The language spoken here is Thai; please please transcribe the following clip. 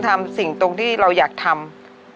ทำสิ่งตรงที่เราอยากทำ